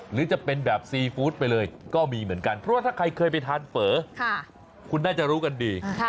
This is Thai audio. หรือจะเป็นแบบซีฟู้ดไปเลยก็มีเหมือนกันเพราะว่าถ้าใครเคยไปทานเฝอคุณน่าจะรู้กันดี